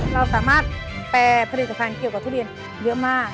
เราสามารถแปรผลิตภัณฑ์เกี่ยวกับทุเรียนเยอะมาก